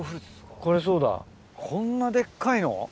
これそうだこんなデッカいの？